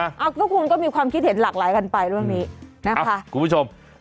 เอาทุกคนก็มีความคิดเห็นหลากหลายกันไปเรื่องนี้นะคะคุณผู้ชม